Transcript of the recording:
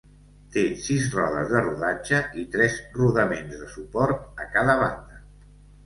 Té sis rodes de rodatge i tres rodaments de suport a cada banda.